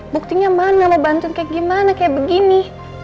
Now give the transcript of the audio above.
buktinya mana mau bantuan kayak gimana kayak begini